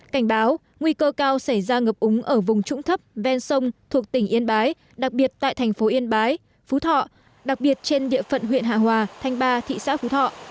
cảnh báo nguy cơ cao xảy ra ngập úng ở vùng trũng thấp ven sông thuộc tỉnh yên bái đặc biệt tại thành phố yên bái phú thọ đặc biệt trên địa phận huyện hạ hòa thanh ba thị xã phú thọ